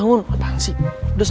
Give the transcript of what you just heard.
aku mau pergi ke rumah